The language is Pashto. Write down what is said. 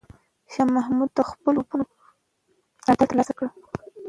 شاه محمود د خپلو توپونو ملاتړ ترلاسه کړ.